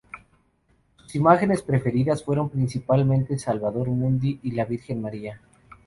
Sus imágenes preferidas fueron principalmente Salvator Mundi y La Virgen María.